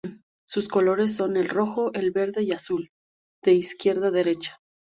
Sus colores son el rojo, el verde y el azul, de izquierda a derecha.